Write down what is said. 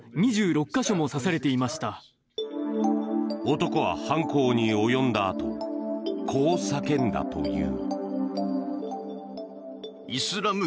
男は犯行に及んだあとこう叫んだという。